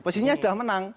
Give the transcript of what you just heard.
posisinya sudah menang